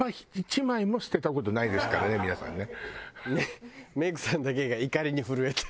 皆さんね。